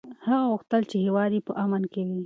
هغه غوښتل چې هېواد یې په امن کې وي.